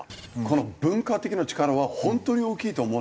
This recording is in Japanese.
この文化的な力は本当に大きいと思うんですよ。